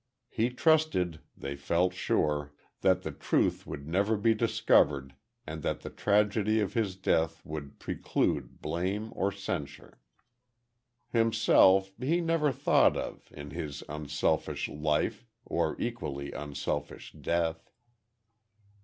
He trusted, they felt sure, that the truth would never be discovered and that the tragedy of his death would preclude blame or censure. Himself, he never thought of, in his unselfish life or equally unselfish death.